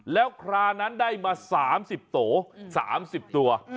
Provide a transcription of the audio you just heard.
แล้วคลานั้นได้มาสามสิบโต๊ะสามสิบตัว